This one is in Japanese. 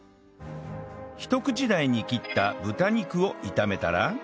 ひと口大に切った豚肉を炒めたら